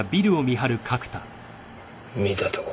見たとこ